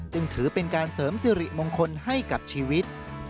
ถือเป็นการเสริมสิริมงคลให้กับชีวิต